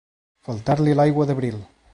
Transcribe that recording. Faltar-li l'aigua d'abril.